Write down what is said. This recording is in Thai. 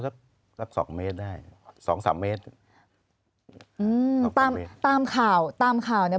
สักสักสองเมตรได้สองสามเมตรอืมตามตามข่าวตามข่าวเนี้ย